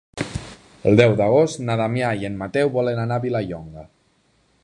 El deu d'agost na Damià i en Mateu volen anar a Vilallonga.